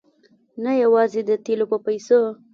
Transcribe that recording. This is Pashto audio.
نه یوازې د تېلو په پیسو.